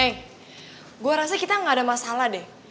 eh gue rasa kita gak ada masalah deh